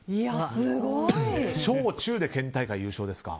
小中で県大会優勝ですか。